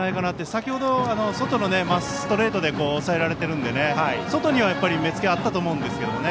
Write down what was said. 先ほどは外のストレートで抑えられてるので外には目付けがあったと思います。